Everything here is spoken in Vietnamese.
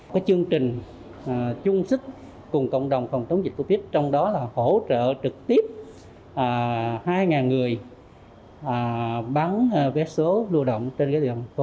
chương trình chung sức cùng cộng đồng phòng chống dịch covid trong đó là hỗ trợ trực tiếp hai người bán vé số lưu động trên địa bàn thành phố